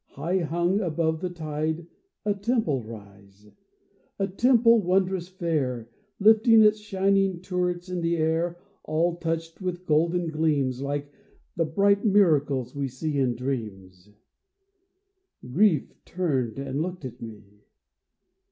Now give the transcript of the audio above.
High hung above the tide, a temple rise — A temple wondrous fair, Lifting its shining turrets in the air, All touched with golden gleams, Like the bright miracles we see in dreams. THE CHAMBER OF SILENCE 323 Grief turned and looked at me.